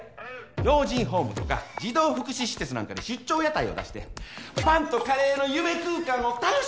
老人ホームとか児童福祉施設なんかに出張屋台を出してパンとカレーの夢空間を楽しんでもらうとかね。